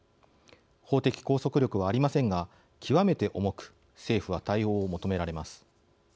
法的拘束力はありませんが極めて重く政府は対応を求められます。